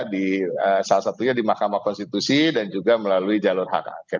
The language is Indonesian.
di salah satunya di mahkamah konstitusi dan juga melalui jalur hak angket